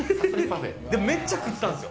めっちゃ食ったんですよ。